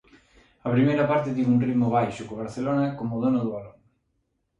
A primeira parte tivo un ritmo baixo, co Barcelona como dono do balón.